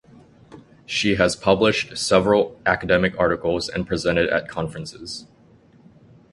She has published several academic articles and presented at conferences.